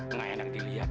enggak enak dilihat